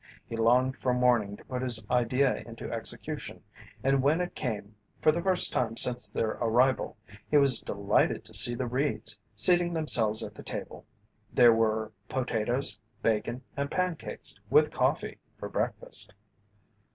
He longed for morning to put his idea into execution and when it came, for the first time since their arrival, he was delighted to see the Reeds seating themselves at the table. There were potatoes, bacon, and pancakes, with coffee, for breakfast.